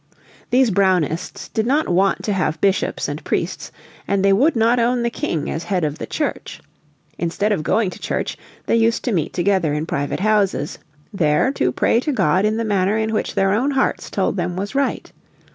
These Brownists did not want to have bishops and priests, and they would not own the King as head of the Church. Instead of going to church they used to meet together in private houses, there to pray to God in the manner in which their own hearts told them was right.